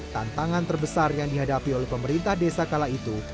tantangan terbesar yang dihadapi oleh pemerintah desa kala itu